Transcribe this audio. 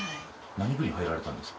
何部に入られたんですか？